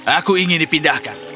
aku ingin dipindahkan